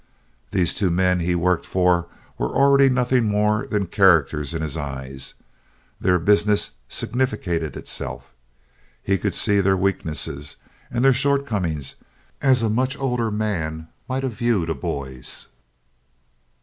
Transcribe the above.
These two men he worked for were already nothing more than characters in his eyes—their business significated itself. He could see their weaknesses and their shortcomings as a much older man might have viewed a boy's.